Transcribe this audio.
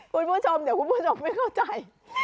คุณผู้ชมเดี๋ยวคุณผู้ชมไม่เข้าใจ